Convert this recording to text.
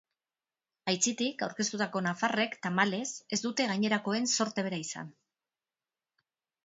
Aitzitik, aurkeztutako nafarrek, tamalez, ez dute gainerakoen zorte bera izan.